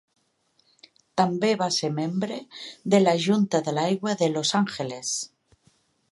També va ser membre de la Junta de l'Aigua de Los Angeles.